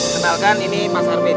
tenalkan ini mas arvin